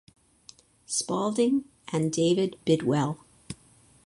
Spalding and David Bidwell.